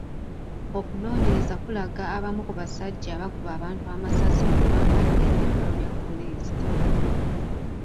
Okunoonyereza kulaga abamu ku basajja abakuba abantu amasasi nga bambadde ebyambalo bya poliisi .